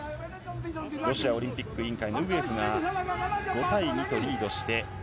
ロシアオリンピック委員会のウグエフが５対２とリードして。